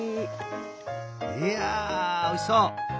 いやあおいしそう！